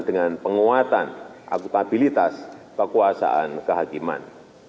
dengan penguatan akutabilitas kekuasaan kehakiman